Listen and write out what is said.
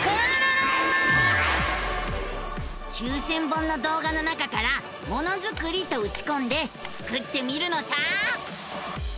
９，０００本の動画の中から「ものづくり」とうちこんでスクってみるのさ！